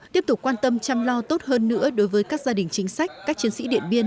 tiếp tục quan tâm chăm lo tốt hơn nữa đối với các gia đình chính sách các chiến sĩ điện biên